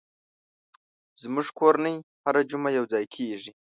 زموږ کورنۍ هره جمعه یو ځای کېږي.